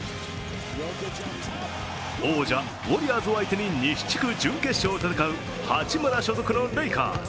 王者ウォリアーズを相手に西地区準決勝を戦う八村所属のレイカーズ。